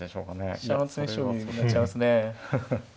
飛車の詰め将棋になっちゃいますね。